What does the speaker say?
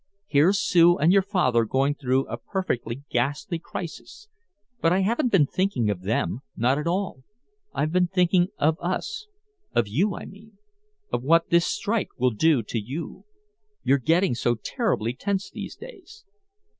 Here's Sue and your father going through a perfectly ghastly crisis. But I haven't been thinking of them not at all. I've been thinking of us of you, I mean of what this strike will do to you. You're getting so terribly tense these days."